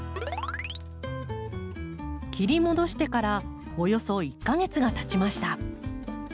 切り戻してからおよそ１か月がたちました。